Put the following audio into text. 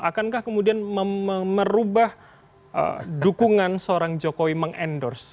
akankah kemudian merubah dukungan seorang jokowi meng endorse